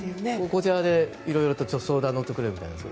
こちらでいろいろと相談乗ってくれるみたいです。